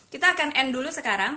kita akan end dulu sekarang